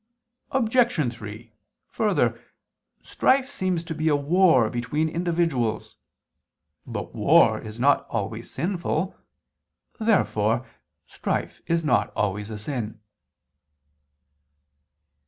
Obj. 3: Further, strife seems to be a war between individuals. But war is not always sinful. Therefore strife is not always a sin.